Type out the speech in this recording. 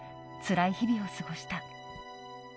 つらい日々を過ごした。